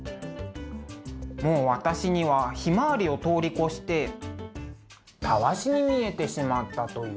もう私にはひまわりを通り越してタワシに見えてしまったという。